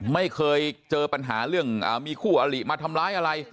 ไม่เคยเจอปัญหาเรื่องมีคู่อลิมาทำร้ายอะไร